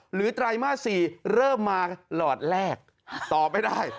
หรือไตมาส๔เริ่มมาหลอดแรกตอบไปได้